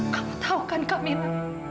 kamu tahu kan kamila